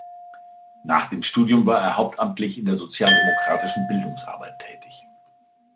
Nach dem Studium war er hauptamtlich in der sozialdemokratischen Bildungsarbeit tätig.